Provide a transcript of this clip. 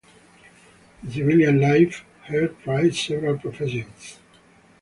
In civilian life he tried several professions.